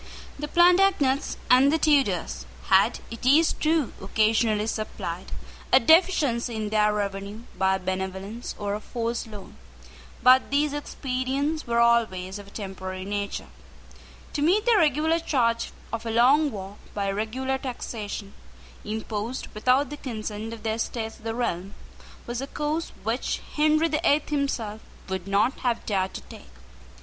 The Plantagenets and the Tudors had, it is true, occasionally supplied a deficiency in their revenue by a benevolence or a forced loan: but these expedients were always of a temporary nature. To meet the regular charge of a long war by regular taxation, imposed without the consent of the Estates of the realm, was a course which Henry the Eighth himself would not have dared to take.